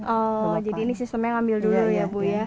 oh jadi ini sistemnya ngambil dulu ya bu ya